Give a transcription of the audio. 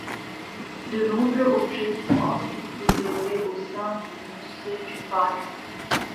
De nombreux objets sont ensuite préservés au sein du musée du parc.